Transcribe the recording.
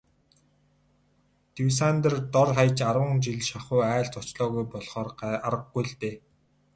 Дюссандер дор хаяж арван жил шахуу айлд зочлоогүй болохоор аргагүй л дээ.